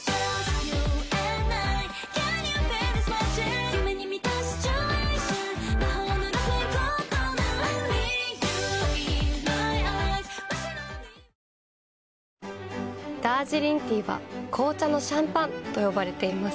はぁダージリンティーは紅茶のシャンパンと呼ばれています。